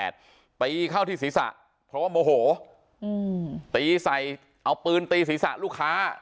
ตีเข้าที่ศีรษะเพราะว่าโมโหตีใส่เอาปืนตีศีรษะลูกค้า